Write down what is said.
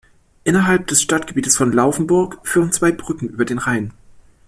Innerhalb des Stadtgebiets von Laufenburg führen zwei Brücken über den Rhein.